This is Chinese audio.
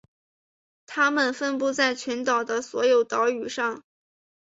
它们分布在群岛的所有岛屿上。